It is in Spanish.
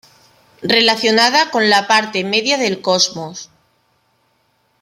Relacionada con la parte media del cosmos.